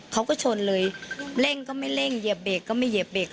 เขาก็ชนเลยเร่งก็ไม่เร่งเหยียบเบรกก็ไม่เหยียบเบรก